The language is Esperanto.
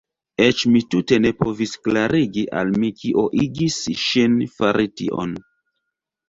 Eĉ mi tute ne povis klarigi al mi kio igis ŝin fari tion.